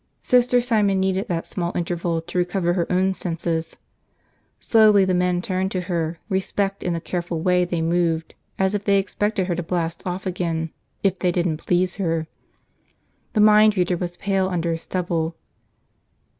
Sister Simon needed that small interval to recover her own senses. Slowly the men turned to her, respect in the careful way they moved as if they expected her to blast off again if they didn't please her. The mind reader was pale under his stubble.